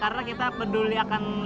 karena kita peduli akan lingkungan ya